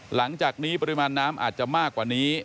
หลังจากนี้ปริมาณน้ำอาจจะมากกว่านี้